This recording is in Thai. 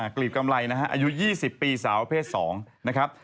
กลีบกำไรนะฮะอายุ๒๐ปีสาวประเภท๒นะครับ